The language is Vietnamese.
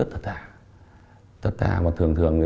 em thích xác là có chuẩn không